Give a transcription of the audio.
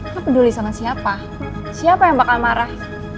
kamu peduli sama siapa siapa yang bakal marah